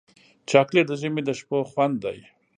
چاکلېټ د ژمي د شپو خوند دی.